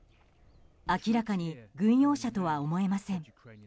明らかに軍用車とは思えません。